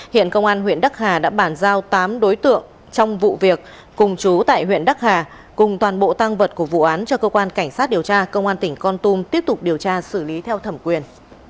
hiện công an huyện đắc hà đã bàn giao tám đối tượng trong vụ việc cùng chú tại huyện đắc hà cùng toàn bộ tăng vật của vụ án cho cơ quan cảnh sát điều tra công an tỉnh con tum tiếp tục điều tra xử lý theo thẩm quyền